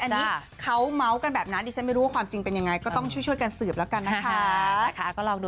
อันนี้เขาเมาส์กันแบบนั้นดิฉันไม่รู้ว่าความจริงเป็นยังไงก็ต้องช่วยกันสืบแล้วกันนะคะ